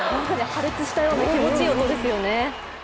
破裂したような気持ちいい音ですよね。